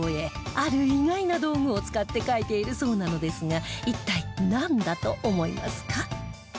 ある意外な道具を使って描いているそうなのですが一体なんだと思いますか？